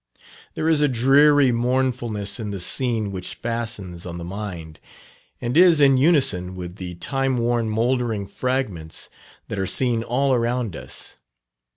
There is a dreary mournfulness in the scene which fastens on the mind, and is in unison with the time worn mouldering fragments that are seen all around us.